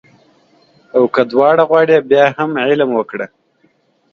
او که دواړه غواړې بیا هم علم وکړه